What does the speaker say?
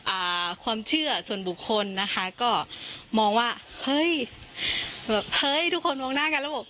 อ่าความเชื่อส่วนบุคคลนะคะก็มองว่าเฮ้ยแบบเฮ้ยทุกคนมองหน้ากันแล้วบอก